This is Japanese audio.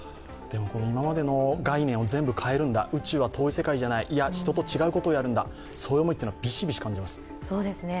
今までの概念を全部変えるんだ、宇宙は遠い世界ではない、人と違うことをやるんだという思いはびしびしと感じます。